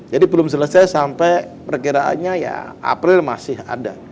jadi belum selesai sampai perkiraannya ya april masih ada